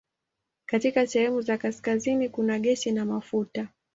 Katika sehemu za kaskazini kuna gesi na mafuta.